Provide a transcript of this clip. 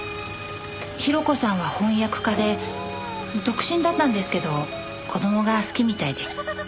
広子さんは翻訳家で独身だったんですけど子供が好きみたいで。